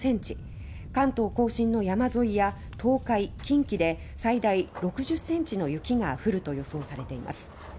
関東甲信の山沿いや東海、近畿で最大６０ｃｍの雪が降ると予想されています。